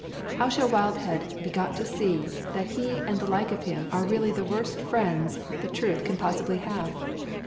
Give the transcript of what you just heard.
How shall Wildhead be got to see that he and the like of him are really the worst friends the truth can possibly have?